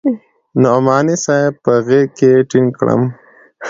نعماني صاحب په غېږ کښې ټينګ کړم.